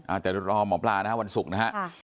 อาจารย์รอบหมองพลานะครับวันศุกร์นะครับ